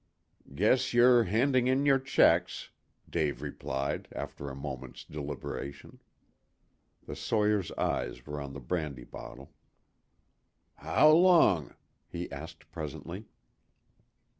"Guess you're handing in your checks," Dave replied, after a moment's deliberation. The sawyer's eyes were on the brandy bottle. "How long?" he asked presently.